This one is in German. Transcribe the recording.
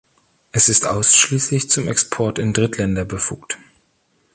Es ist ausschließlich zum Export in Drittländer befugt.